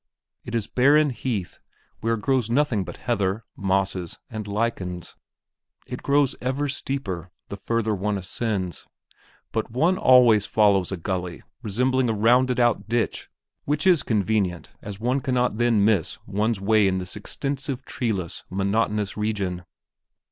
It is barren heath where grows nothing but heather, mosses, and lichens. It grows ever steeper, the further one ascends; but one always follows a gully resembling a rounded out ditch which is convenient, as one cannot then miss one's way in this extensive, treeless, monotonous region.